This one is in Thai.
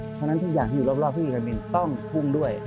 เพราะฉะนั้นทุกอย่างที่อยู่รอบภูมิการบินต้องภูมิด้วย